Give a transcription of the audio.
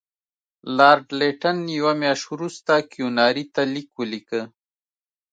لارډ لیټن یوه میاشت وروسته کیوناري ته لیک ولیکه.